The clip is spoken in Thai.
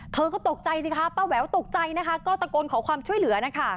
เธอก็ตกใจสิคะป้าแหววตกใจนะคะก็ตะโกนขอความช่วยเหลือนะคะ